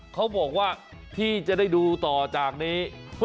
เขาบอกว่าที่จะได้ดูต่อจากนี้